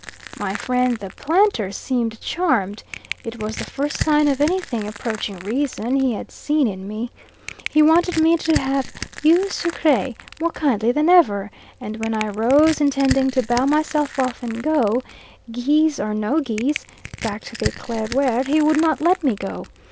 My friend the planter seemed charmed; it was the first sign of anything approaching reason he had seen in me. He wanted me to have eau sucree more kindly than ever, and when I rose, intending to bow myself off and go, geese or no geese, back to the Eclaireur, he would not let me go.